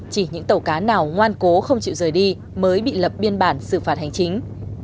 chỉ những tàu cá nào ngoan cố không chịu rời đi mới bị lập biên bản xử phạt hành chính